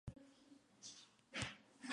El Ilmo.